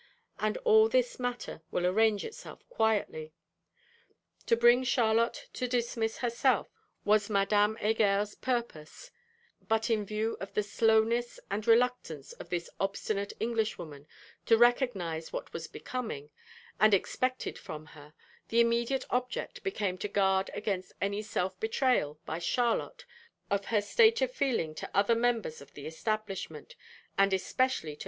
and all this matter will arrange itself quietly. To bring Charlotte to dismiss herself was Madame Heger's purpose: but in view of the slowness and reluctance of this obstinate Englishwoman to recognise what was 'becoming,' and expected from her, the immediate object became to guard against any self betrayal by Charlotte of her state of feeling to other members of the establishment, _and especially to M.